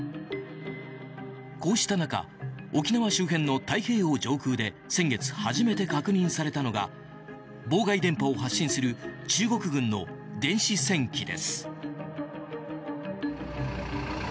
こうした中沖縄周辺の太平洋上空で先月、初めて確認されたのが妨害電波を発信する中国軍の電子戦機です。